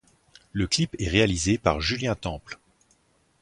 Le clip est réalisé par Julien Temple.